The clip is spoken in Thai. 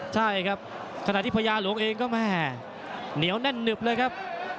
ใช่ครับขณะที่พญาหลวงเองก็แม่เหนียวแน่นหนึบเลยครับ